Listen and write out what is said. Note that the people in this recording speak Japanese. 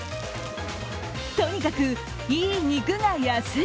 とにかく、いい肉が安い。